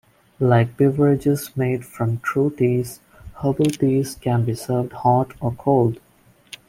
Like beverages made from true teas, herbal teas can be served hot or cold.